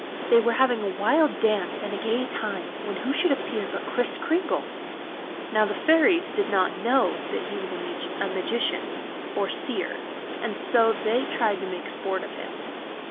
They were having a wild dance and a gay time when who should appear but Kris Kringle! Now the Fairies did not know that he was a Magician, or Seer, and so they tried to make sport of him.